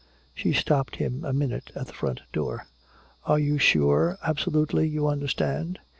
She stopped him a minute at the front door: "Are you sure, absolutely, you understand?"